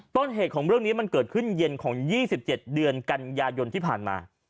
ต้นเหตุของเรื่องนี้มันเกิดขึ้นเย็นของ๒๗เดือนกันยายนที่ผ่านมา